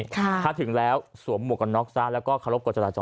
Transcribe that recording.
ถ้าถึงแล้วสวมหมวกกับนอกซะ